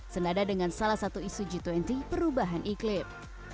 senada dengan salah satu isu g dua puluh perubahan iklim